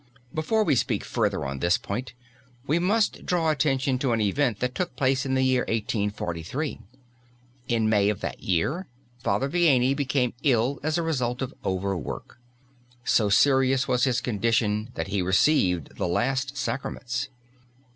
Before we speak further on this point, we must draw attention to an event that took place in the year 1843. In May of that year, Father Vianney became ill as a result of overwork. So serious was his condition that he received the last Sacraments.